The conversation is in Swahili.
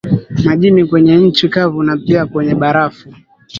majini kwenye nchi kavu na pia kwenye barafu